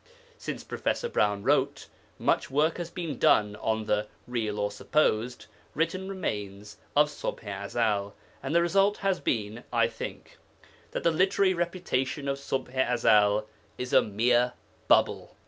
Since Professor Browne wrote, much work has been done on the (real or supposed) written remains of Ṣubḥ i Ezel, and the result has been (I think) that the literary reputation of Ṣubḥ i Ezel is a mere bubble.